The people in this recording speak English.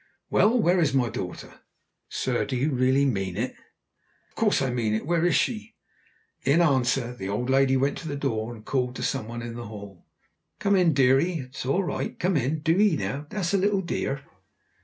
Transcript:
"Well, where is my daughter?" "Sir, do you really mean it?" "Of course I mean it. Where is she?" In answer the old lady went to the door and called to some one in the hall. "Come in, dearie. It's all right. Come in, do'ee now, that's a little dear."